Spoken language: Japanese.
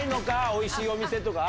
おいしいお店とか。